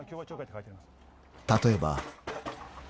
［例えば］